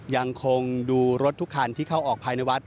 ยังคงดูรถทุกคันที่เข้าออกภายในวัด